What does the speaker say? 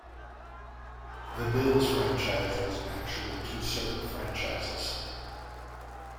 The Bills franchise was actually two separate franchises.